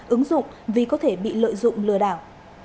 ứng dụng vì có thể bị lợi dụng lừa đảo